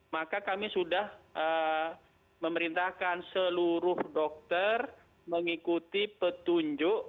maka kami sudah memerintahkan seluruh dokter mengikuti petunjuk